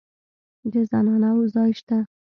د زنانه وو ځای شته.